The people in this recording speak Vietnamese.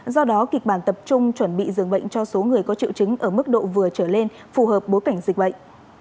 do đó kịch bản tập trung chuẩn bị dường bệnh cho số người có triệu chứng ở mức độ vừa trở lên phù hợp bối cảnh dịch bệnh